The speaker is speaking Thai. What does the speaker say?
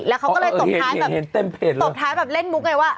แล้วเขาก็เลยตบท้ายแบบตบท้ายแบบเล่นมุกไงว่า